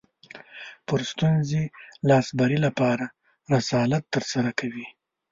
پر ستونزې لاسبري لپاره رسالت ترسره کوي